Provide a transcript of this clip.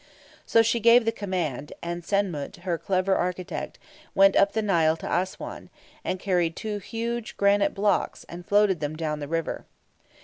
So she gave the command, and Sen mut, her clever architect, went up the Nile to Aswan, and quarried two huge granite blocks, and floated them down the river.